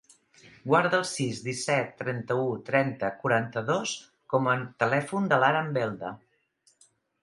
Guarda el sis, disset, trenta-u, trenta, quaranta-dos com a telèfon de l'Aran Belda.